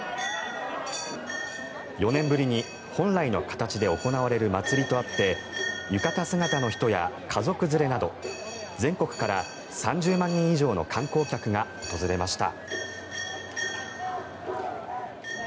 ４年ぶりに本来の形で行われる祭りとあって浴衣姿の人や家族連れなど全国から３０万人以上の観光客が訪れました。